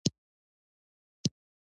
چې ولې دې جمهور رئیس وواژه؟